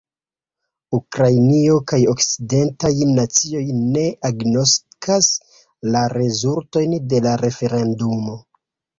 Ukrainio kaj okcidentaj nacioj ne agnoskas la rezultojn de la referendumo.